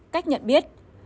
cách nhận biết